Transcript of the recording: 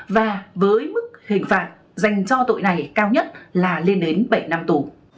và với mức hình phạt dành cho tội này cao nhất là lên đến bảy năm tù